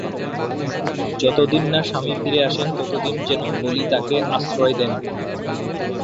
যতদিন না স্বামী ফিরে আসেন, ততদিন যেন বলি তাঁকে আশ্রয় দেন।